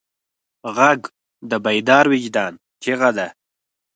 غږ د بیدار وجدان چیغه ده